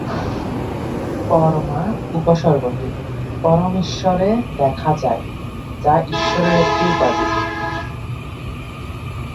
"পরমা" উপসর্গটি "পরমেশ্বরে" দেখা যায়, যা ঈশ্বরের একটি উপাধি।